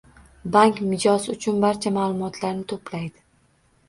Bank mijoz uchun barcha ma'lumotlarni to'playdi